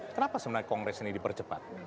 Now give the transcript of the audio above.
kenapa sebenarnya kongres ini dipercepat